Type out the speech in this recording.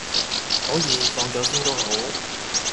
可以，放咗先都好